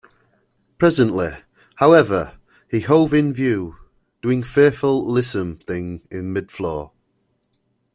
Presently, however, he hove in view, doing fearfully lissom things in mid-floor.